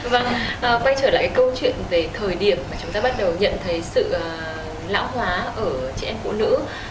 vâng quay trở lại câu chuyện về thời điểm mà chúng ta bắt đầu nhận thấy sự lão hóa ở chị em cụ nữ